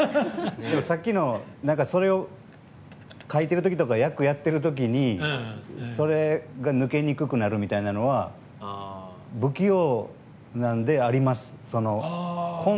さっきの、それを書いてる時とか役をやってる時にそれが抜けにくくなるみたいなのは不器用なんで、あります。